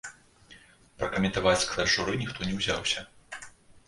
Пракаментаваць склад журы ніхто не ўзяўся.